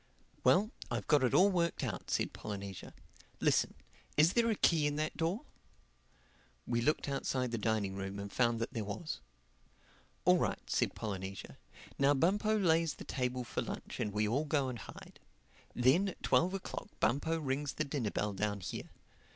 "Well, I've got it all worked out," said Polynesia. "Listen: is there a key in that door?" We looked outside the dining room and found that there was. "All right," said Polynesia. "Now Bumpo lays the table for lunch and we all go and hide. Then at twelve o'clock Bumpo rings the dinner bell down here.